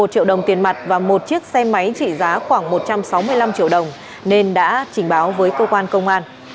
một triệu đồng tiền mặt và một chiếc xe máy trị giá khoảng một trăm sáu mươi năm triệu đồng nên đã trình báo với cơ quan công an